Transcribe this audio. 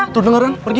tuh dengerin pergi